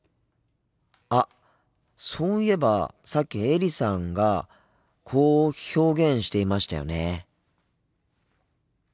あっそういえばさっきエリさんがこう表現していましたよね。